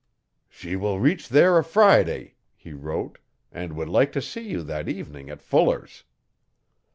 'She will reach there a Friday,' he wrote, 'and would like to see you that evening at Fuller's'.